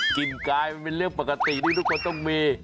กินกายมันเป็นเรื่องปกติที่ทุกคนต้องมี